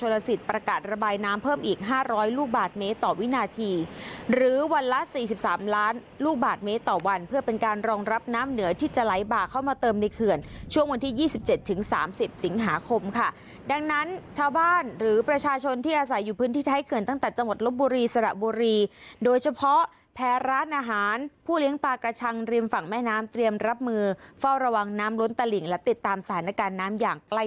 ๒๓ล้านลูกบาทเมตต่อวันเพื่อเป็นการรองรับน้ำเหนือที่จะไหลบากเข้ามาเติมในเขื่อนช่วงวันที่๒๗ถึง๓๐สิงหาคมค่ะดังนั้นชาวบ้านหรือประชาชนที่อาศัยอยู่พื้นที่ไทยเขื่อนตั้งแต่จังหวัดลบบุรีสระบุรีโดยเฉพาะแพ้ร้านอาหารผู้เลี้ยงปากระชังริมฝั่งแม่น้ำเตรียมรับมือเฝ้าระวังน้ำ